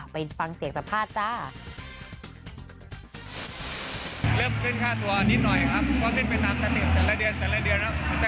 ไปฟังเสียงสัมภาษณ์จ้า